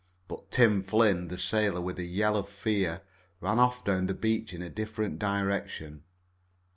But Tim Flynn, the sailor, with a yell of fear, ran off down the beach in a different direction.